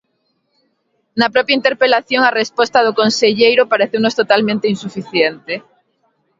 Na propia interpelación a resposta do conselleiro pareceunos totalmente insuficiente.